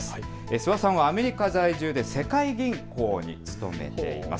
諏訪さんはアメリカ在住で世界銀行に勤めています。